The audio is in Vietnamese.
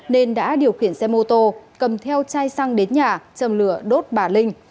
nên đã điều khiển xe mô tô cầm theo chai xăng đến nhà châm lửa đốt bà linh